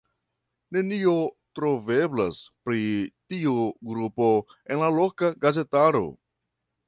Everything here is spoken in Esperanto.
Nenio troveblas pri tiu grupo en la loka gazetaro.